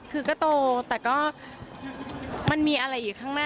คือก็โตแต่ก็มันมีอะไรอยู่ข้างหน้า